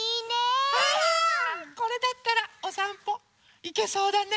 これだったらおさんぽいけそうだね。